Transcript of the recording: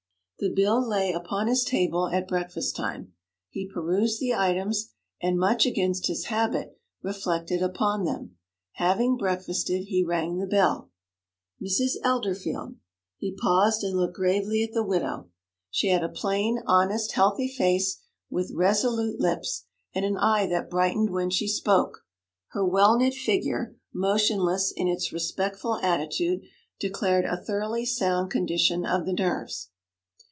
The bill lay upon his table at breakfast time. He perused the items, and, much against his habit, reflected upon them. Having breakfasted, he rang the bell. 'Mrs. Elderfield ' He paused, and looked gravely at the widow. She had a plain, honest, healthy face, with resolute lips, and an eye that brightened when she spoke; her well knit figure, motionless in its respectful attitude, declared a thoroughly sound condition of the nerves.